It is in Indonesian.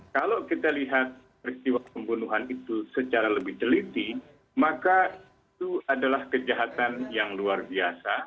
kalau kita lihat peristiwa pembunuhan itu secara lebih teliti maka itu adalah kejahatan yang luar biasa